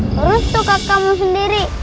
lalu tukar kamu sendiri